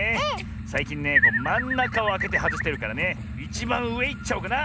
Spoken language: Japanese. さいきんねまんなかをあけてはずしてるからねいちばんうえいっちゃおうかな！